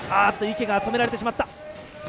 池が止められてしまった。